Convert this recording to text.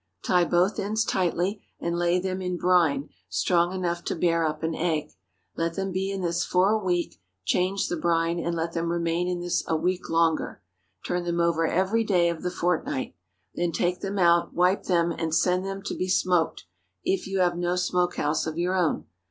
Tie both ends tightly, and lay them in brine strong enough to bear up an egg. Let them be in this for a week; change the brine, and let them remain in this a week longer. Turn them over every day of the fortnight. Then take them out, wipe them, and send them to be smoked, if you have no smoke house of your own.